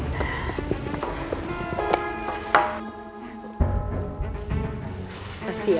terima kasih ya